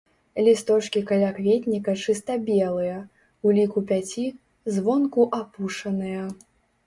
Лісточкі калякветніка чыста белыя, у ліку пяці, звонку апушаныя.